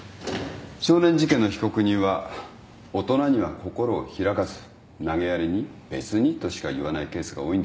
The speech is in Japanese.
少年事件の被告人は大人には心を開かず投げやりに「別に」としか言わないケースが多いんです。